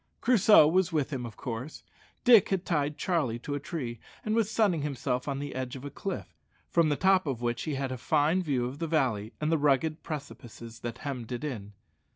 Crusoe was with him, of course. Dick had tied Charlie to a tree, and was sunning himself on the edge of a cliff, from the top of which he had a fine view of the valley and the rugged precipices that hemmed it in.